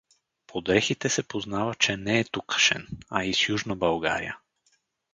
По дрехите се познава, че не е тукашен, а из Южна България.